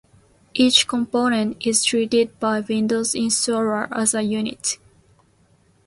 Each component is treated by Windows Installer as a unit.